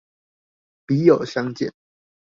筆友相見